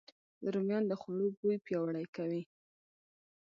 رومیان د خوړو بوی پیاوړی کوي